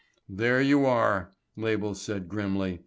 ] "There you are," Label said grimly.